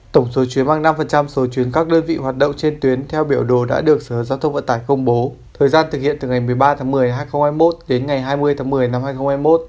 tổng số chuyến bằng năm số chuyến các đơn vị hoạt động trên tuyến theo biểu đồ đã được sở giao thông vận tải công bố thời gian thực hiện từ ngày một mươi ba tháng một mươi hai nghìn hai mươi một đến ngày hai mươi tháng một mươi năm hai nghìn hai mươi một